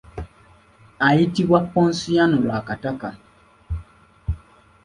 Ayitibwa Ponsiano Lwakataka.